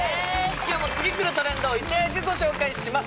今日も次くるトレンドをいち早くご紹介します